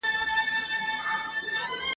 زلمی چي تللی وم بوډا راځمه !.